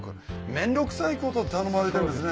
面倒くさいこと頼まれてるんですね